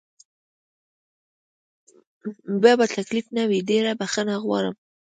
بیا به تکلیف نه وي، ډېره بخښنه غواړم.